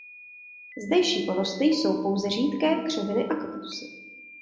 Zdejší porosty jsou pouze řídké křoviny a kaktusy.